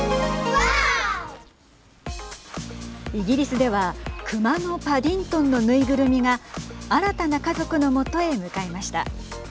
イギリスではくまのパディントンの縫いぐるみが新たな家族のもとへ向かいました。